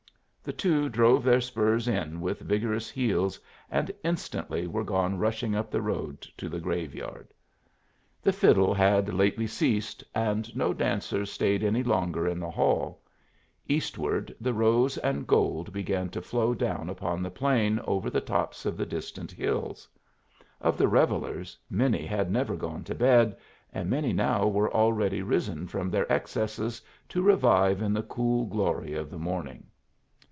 The two drove their spurs in with vigorous heels, and instantly were gone rushing up the road to the graveyard. The fiddle had lately ceased, and no dancers stayed any longer in the hall. Eastward the rose and gold began to flow down upon the plain over the tops of the distant hills. Of the revellers, many had never gone to bed, and many now were already risen from their excesses to revive in the cool glory of the morning.